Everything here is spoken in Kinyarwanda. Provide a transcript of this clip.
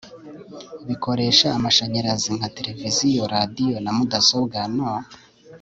bikoresha amashanyarazi nka tereviziyo, radiyo na mudasobwa no